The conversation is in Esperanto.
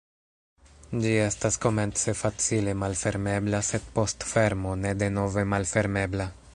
Ĝi estas komence facile malfermebla, sed post fermo ne denove malfermebla.